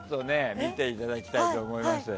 見ていただきたいと思います。